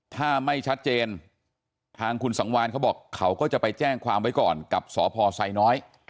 ถ้าไม่ชัดเจนทางคุณสังวานเขาบอกเขาก็จะไปแจ้งความไว้ก่อนกับสพไซน้อย